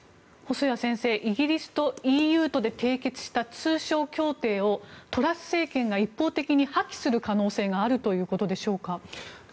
細谷先生、イギリスとＥＵとで締結した通商協定をトラス政権が一方的に破棄する可能性があるということでしょうか。